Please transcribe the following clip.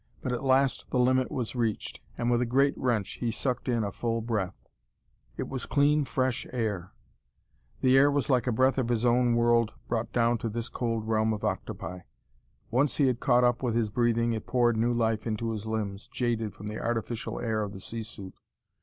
But at last the limit was reached, and with a great wrench he sucked in a full breath. It was clean, fresh air! The air was like a breath of his own world brought down to this cold realm of octopi. Once he had caught up with his breathing it poured new life into his limbs, jaded from the artificial air of the sea suit.